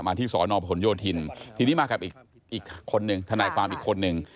ที่สอนอพหนโยธินทีนี้มากับอีกคนนึงทนายความอีกคนนึง